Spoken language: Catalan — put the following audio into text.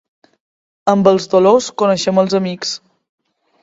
Amb els dolors coneixem els amics.